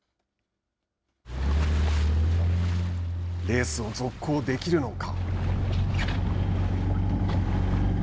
レースを続行できるのか。